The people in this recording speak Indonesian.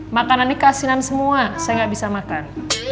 makanan ini kasinan semua saya nggak bisa makan